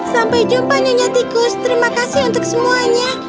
sampai jumpa nyonya tikus terima kasih untuk semuanya